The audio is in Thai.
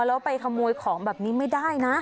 แล้วไปขโมยของแบบนี้ไม่ได้นะ